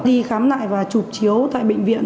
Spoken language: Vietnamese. đi khám lại và chụp chiếu tại bệnh viện